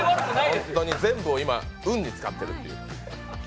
全部を今、運に使ってるという。